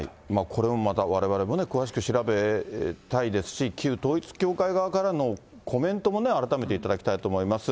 これもまたわれわれも、詳しく調べたいですし、旧統一教会側からのコメントもね、改めていただきたいと思います。